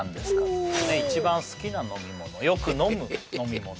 お一番好きな飲み物よく飲む飲み物